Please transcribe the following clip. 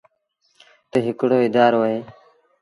تا هڪڙو اَدآرو اهي۔